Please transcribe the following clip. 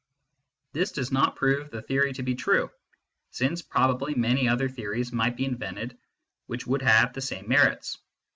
This does not prove the theory to be true, since probably many other theories might be invented which would have the same merits.